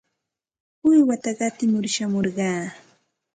Uywata qatimur shamurqaa.